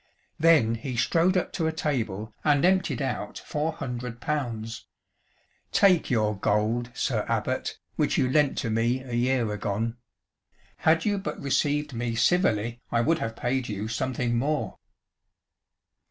Then he strode up to a table and emptied out four hundred pounds. "Take your gold, Sir Abbot, which you lent to me a year agone. Had you but received me civilly, I would have paid you something more.